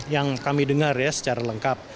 yang kami dengar ya secara lengkap